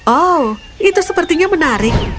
oh itu sepertinya menarik